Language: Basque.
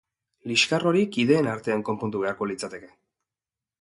Liskar hori kideen artean konpondu beharko litzateke.